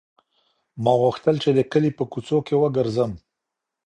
ما غوښتل چې د کلي په کوڅو کې وګرځم.